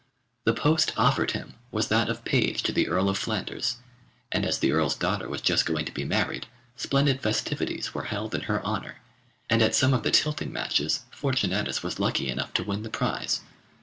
The post offered him was that of page to the Earl of Flanders, and as the Earl's daughter was just going to be married, splendid festivities were held in her honour, and at some of the tilting matches Fortunatus was lucky enough to win the prize.